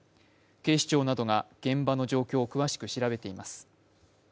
警視庁などが現場の状況を詳しく調べています。